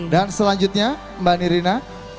dan selanjutnya mbak nirina